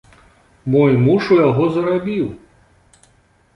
Мой муж у яго зарабіў!